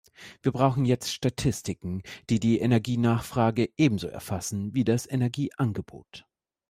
Wir brauchen jetzt Statistiken, die die Energienachfrage ebenso erfassen wie das Energieangebot.